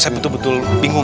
saya betul betul bingung